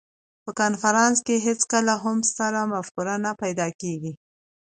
په کنفرانس کې هېڅکله هم ستره مفکوره نه پیدا کېږي.